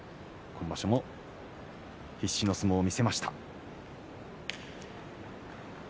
今場所も必死の相撲を見せました。